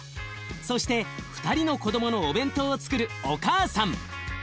そして２人の子どものお弁当をつくるお母さん。